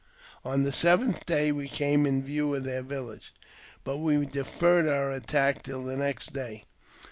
On the seventh day we came in view of their village, but we deferred our attack till the next day.